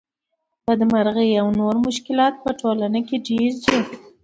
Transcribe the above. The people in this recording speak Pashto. بدمرغۍ او نور مشکلات په ټولنه کې ډېر دي